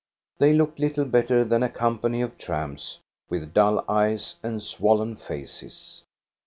They looked little better than a com pany of tramps, with dull eyes and swollen faces.